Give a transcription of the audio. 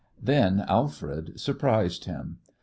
Then Alfred surprised him.